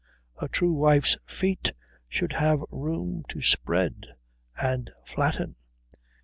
A true wife's feet should have room to spread and flatten.